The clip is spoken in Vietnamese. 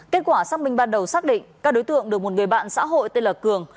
kết quả xác minh ban đầu xác định các đối tượng được một người bạn xã hội tên là cường